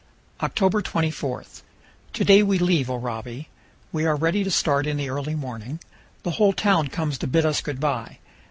October 24 . To day we leave Oraibi. We are ready to start in the early morning. The whole town comes to bid us good by.